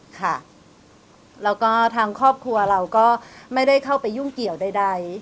ค่ะแล้วก็ทางครอบครัวเราก็ไม่ได้เข้าไปยุ่งเกี่ยวใด